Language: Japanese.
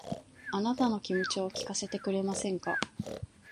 あなたの気持ちを聞かせてくれませんか